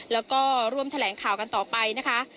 แล้วก็ร่วมแถลงข่าวกันต่อไปนะคะ